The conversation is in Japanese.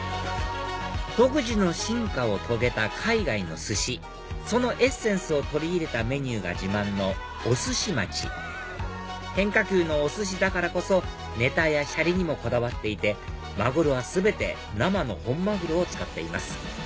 独自の進化を遂げた海外の寿司そのエッセンスを取り入れたメニューが自慢のオスシマチ変化球のお寿司だからこそネタやシャリにもこだわっていてマグロは全て生の本マグロを使っています